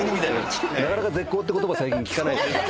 なかなか「絶交」って言葉最近聞かない。